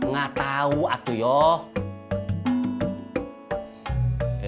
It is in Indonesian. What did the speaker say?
gak tahu atuh yuk